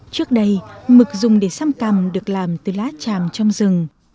trước đây mực dùng để xăm cầm được làm từ lá chàm trong rừng